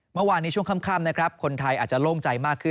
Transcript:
เมื่อวานในช่วงค่ำนะครับคนไทยอาจจะโล่งใจมากขึ้น